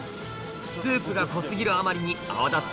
スープが濃過ぎるあまりに泡立つ